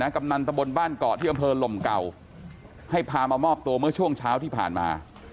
กำนันตะบนบ้านเกาะที่อำเภอลมเก่าให้พามามอบตัวเมื่อช่วงเช้าที่ผ่านมา